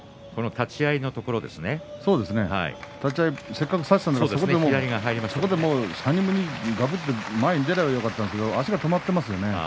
立ち合いせっかく差したのにそこで、しゃにむにがぶって前に出ればよかったんですけど足が止まっていますね。